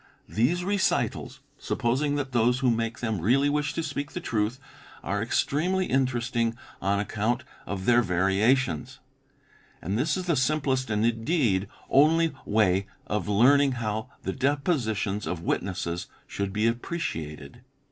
These recitals, sup i posing that those who make them really wish to speak the truth, are extremely interesting on account of their variations; and this is the simplest and indeed only way of learning how the depositions of witnesses should be appreciated.